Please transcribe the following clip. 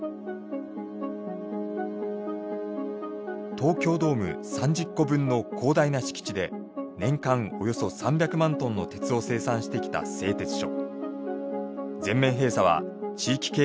東京ドーム３０個分の広大な敷地で年間およそ３００万トンの鉄を生産してきた製鉄所。